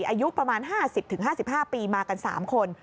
อายุประมาณ๕๐๕๕ปีมากัน๓คน